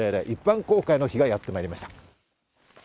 一般公開の日がやってまいりました。